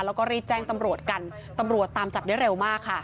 แล้วก็รีบแจ้งตำรวจกันตำรวจตามจับได้เร็วมากค่ะ